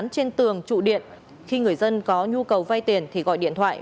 thường trụ điện khi người dân có nhu cầu vay tiền thì gọi điện thoại